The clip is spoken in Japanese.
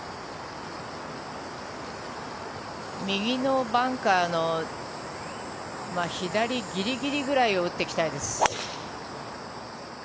右のバンカーの左ギリギリぐらいを打っていきたいです。